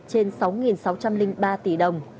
trên sáu sáu trăm linh ba tỷ đồng